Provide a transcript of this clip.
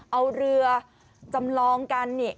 เอาเรือจำลองกันนี่